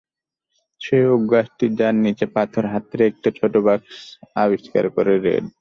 সেই ওকগাছটি, যার নিচে পাথর হাতড়ে একটা ছোট্ট বাক্স আবিষ্কার করে রেড।